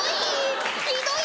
ひどい！